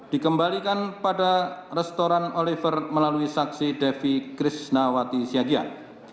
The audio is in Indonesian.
dikembalikan pada restoran oliver melalui saksi devi krishnawati siagian